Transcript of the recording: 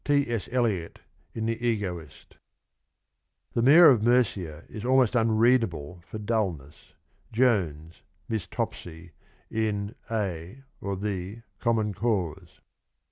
— T. S. Eliot in The Egoist. 103 ' The Mayor of Murcia ' is almost unreadable for dullness. — Jones (Miss Topsy) in A (or The) Common Cause.